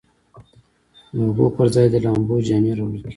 د هغو پر ځای د لامبو جامې راوړل کیږي